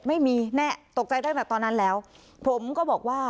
ไม่มีแน่ตกใจได้แบบตอนนั้นแล้วผมก็บอกว่า